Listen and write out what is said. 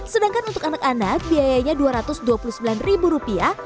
sedangkan untuk anak anak biayanya dua ratus dua puluh sembilan ribu rupiah